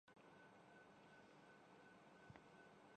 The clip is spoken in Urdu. یہ بڑِی لیگ میں گیند پھینکنے کو تبدیل نہیں کرتا